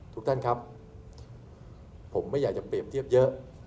ทุกท่านครับผมไม่อยากจะเปรียบเทียบเยอะ